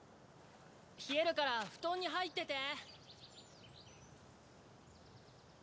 冷えるから布団に入ってて！